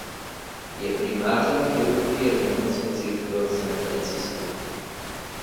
Je primářem chirurgie v nemocnici v San Francisku.